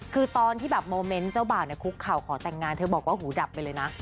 คือตอนที่เจ้าบ่าวคุกข่าวของแต่งงานเธอบอกว่าหูดับไปเลยนะ